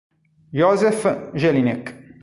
Josef Jelinek